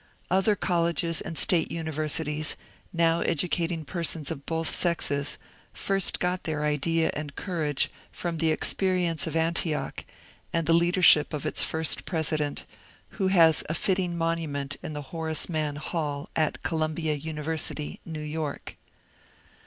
Other colleges and state universities, now edu cating persons of both sexes, first got their idea and courage from the experience of Antioch and the leadership of its first president, who has a fitting monument in the Horace Mann Hall at Columbia University, New York.